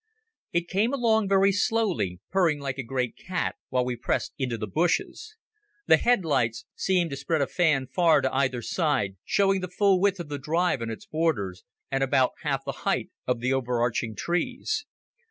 It came along very slowly, purring like a great cat, while we pressed into the bushes. The headlights seemed to spread a fan far to either side, showing the full width of the drive and its borders, and about half the height of the over arching trees.